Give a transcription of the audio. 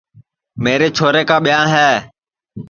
میرے چھورے کُا ٻیاں ہے